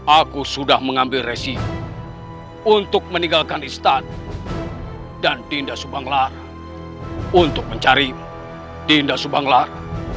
aku sudah mengambil resiko untuk meninggalkan istana dan dinda subanglar untuk mencarimu dinda subanglar